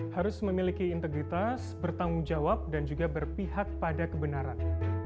harus memiliki integritas bertanggung jawab dan juga berpihak pada kebenaran